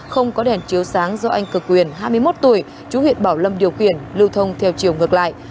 không có đèn chiếu sáng do anh cực quyền hai mươi một tuổi chú huyện bảo lâm điều khiển lưu thông theo chiều ngược lại